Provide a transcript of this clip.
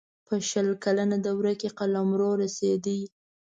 په شل کلنه دوره کې قلمرو رسېدی.